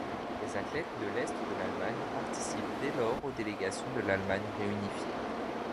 Les athlètes de l'est de l'Allemagne participent dès lors aux délégations de l'Allemagne réunifiée.